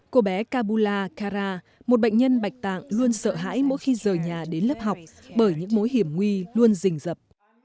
cô bé kabula kara một bệnh nhân bạch tạng luôn sợ hãi mỗi khi rời nhà đến lớp học bởi những mối hiểm nguy luôn rình dập